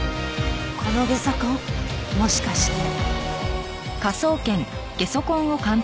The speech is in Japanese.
このゲソ痕もしかして。